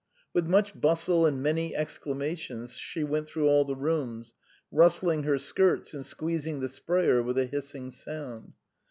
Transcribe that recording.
With much bustle and many exclamations, she went through all the rooms, rustling her skirts and squeezing the sprayer with a hissing sound.